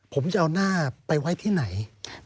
ผมจะเอาหน้าไปไว้ที่ไหน